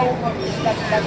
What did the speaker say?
trung quốc hóa không